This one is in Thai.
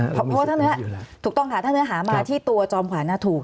เพราะว่าถ้าเนื้อถูกต้องค่ะถ้าเนื้อหามาที่ตัวจอมขวัญถูก